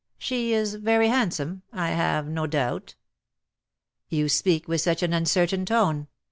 She is very handsome, I have no doubt." "You speak with such an uncertain tone.